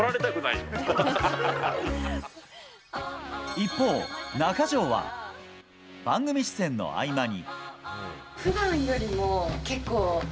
一方、中条は番組出演の合間に。